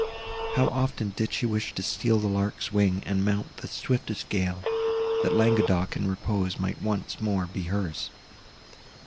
How often did she wish to "steal the lark's wing, and mount the swiftest gale," that Languedoc and repose might once more be hers!